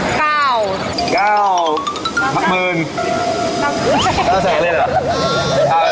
ก็ต้องเซอร์เล่นเหรอ